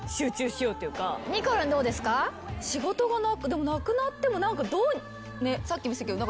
仕事がでもなくなってもさっきも言ってたけど。